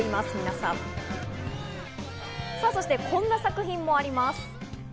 さぁ、そしてこんな作品もあります。